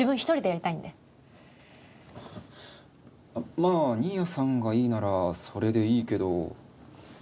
まあ、新谷さんがいいなら、それでいいけど。